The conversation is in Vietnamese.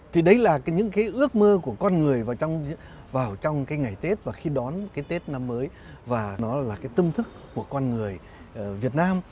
thì đấy là những cái ước mơ của con người vào trong cái ngày tết và khi đón cái tết năm mới và nó là cái tâm thức của con người việt nam